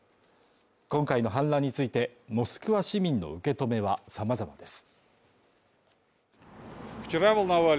今回の反乱についてモスクワ市民の受け止めは様々です。